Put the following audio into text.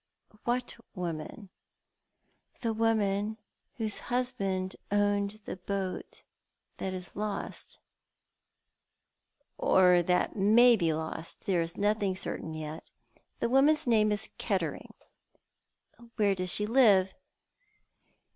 " What woman ?"" The woman whose husband owned the boat that is lost ?"" Or that may be lost. There is nothing certain yet. The woman's name is Kettering." " Where does she live